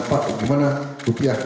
pak gimana rupiah